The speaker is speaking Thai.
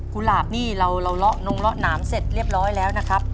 หลาบนี่เราเลาะนงเลาะหนามเสร็จเรียบร้อยแล้วนะครับ